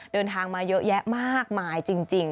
เดินทางมาเยอะแยะมากมายจริง